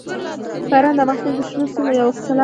باران د افغانستان د شنو سیمو یوه ښکلا ده.